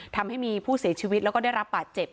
ทำให้มีผู้เสียชีวิตแล้วก็ได้รับบาดเจ็บ